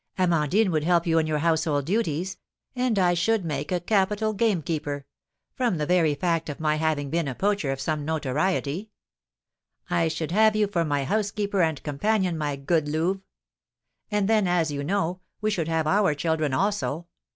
Amandine would help you in your household duties, and I should make a capital gamekeeper, from the very fact of my having been a poacher of some notoriety. I should have you for my housekeeper and companion, my good Louve; and then, as you know, we should have our children also.